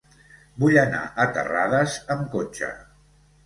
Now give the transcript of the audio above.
Vull anar a Terrades amb cotxe.